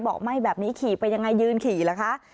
บอกไม่แบบนี้ขี่ไปยังไงยืนขี่ละคะ